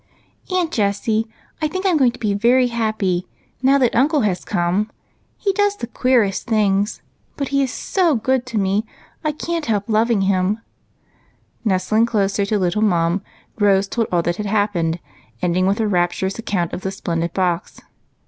" Aunt Jessie, I think I 'm going to be very happy, now uncle has come. He does the queerest things, but he is so good to me I can't helj) loving him;" and, nestling closer to little Mum, Rose told all that had happened, ending with a rapturous account of the splendid box.